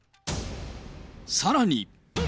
さらに。